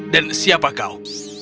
dan siapa kau